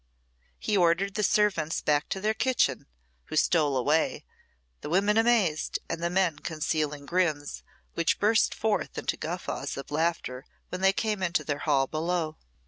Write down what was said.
He ordered the servants back to their kitchen, who stole away, the women amazed, and the men concealing grins which burst forth into guffaws of laughter when they came into their hall below.